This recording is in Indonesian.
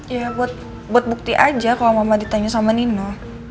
ya buat bukti aja kalau mama ditanya sama nino